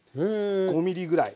５ｍｍぐらい。